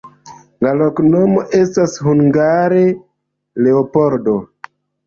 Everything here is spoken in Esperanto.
La loknomo estas hungare: Leopoldo.